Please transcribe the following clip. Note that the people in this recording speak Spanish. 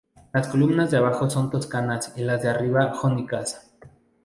Las columnas de abajo son toscanas y las de arriba jónicas.